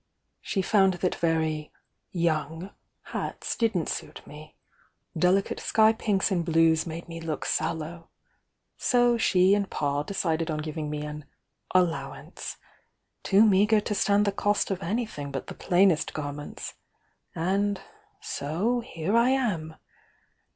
She found that very 'young' hats didn't suit me — delicate sky pinks and blurs made me look sallow, — so fhe and Pa decided on giving me an 'allowance'— tco meagre to stanu the cost of anything but the plainest garments— and — so, here I am